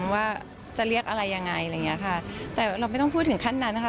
ว่าจะเรียกอะไรยังไงแต่เราไม่ต้องพูดถึงขั้นนั้นนะคะ